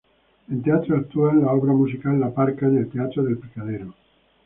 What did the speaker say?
En teatro actúa en la obra musical "La parka" en el Teatro del Picadero.